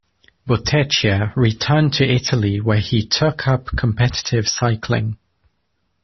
Bottecchia returned to Italy where he took up competitive cycling.